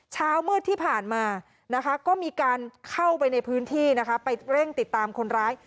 เช้ามืดที่ผ่านมานะคะก็มีการเข้าไปในพื้นที่นะคะไปเร่งติดตามคนร้าย